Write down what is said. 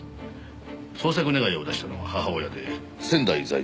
捜索願を出したのは母親で仙台在住です。